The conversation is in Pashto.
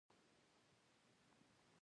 باز د زړورتیا په کیسو کې یادېږي